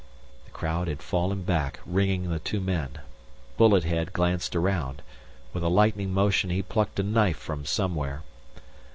The crowd had fallen back, ringing the two men. Bullet head glanced around. With a lightning motion, he plucked a knife from somewhere.